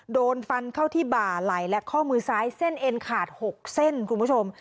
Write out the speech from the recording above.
โดนฟันเข้าที่บ่าไหลและข้อมือซ้ายเส้นเอ็นขาด๖เส้นคุณผู้ชม